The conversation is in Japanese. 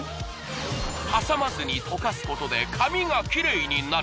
挟まずにとかすことで髪がキレイになる！